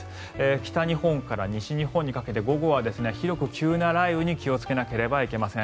北日本から西日本にかけて午後は広く急な雷雨に気をつけなければいけません。